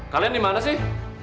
kalian dimana sih